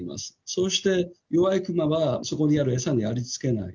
そうして、弱いクマはそこにある餌にありつけない。